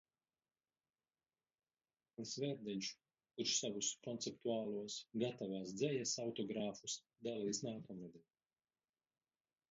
Kārlis Vērdiņš, kurš savus konceptuālos "Gatavās dzejas" autogrāfus dalīs nākamnedēļ.